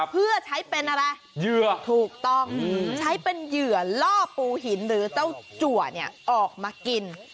เพื่อใช้เป็นอะไรเหยื่อถูกต้องใช้เป็นเหยื่อล่อปูหินหรือเจ้าจัวเนี่ยออกมากิน